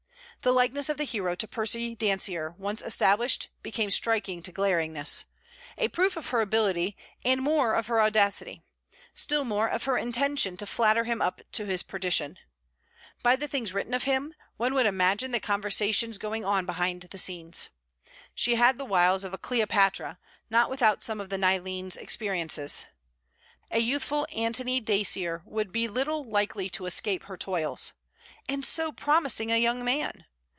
The likeness of the hero to Percy Dacier once established became striking to glaringness a proof of her ability, and more of her audacity; still more of her intention to flatter him up to his perdition. By the things written of him, one would imagine the conversations going on behind the scenes. She had the wiles of a Cleopatra, not without some of the Nilene's experiences. A youthful Antony Dacier would be little likely to escape her toils. And so promising a young man!